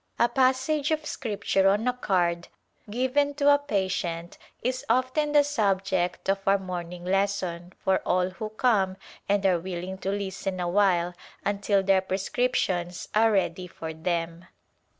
A passage of Scripture on a card given to a patient is often the subject of our morning lesson for all who come and are willing to listen a while until their prescriptions are ready for them.